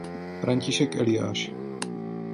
František Eliáš.